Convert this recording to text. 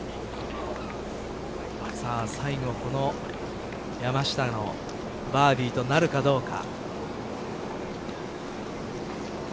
最後この山下のバーディーとなるかどうか。